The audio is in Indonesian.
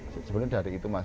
sebenarnya dari itu mas